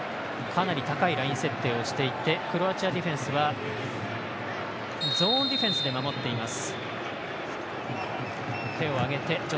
かなり高いライン設定をしてクロアチアディフェンスはゾーンディフェンスで守っています。